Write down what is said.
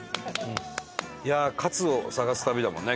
いやあカツを探す旅だもんね